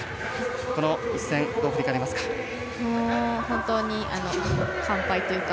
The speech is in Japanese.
この一戦、どう振り返りますか。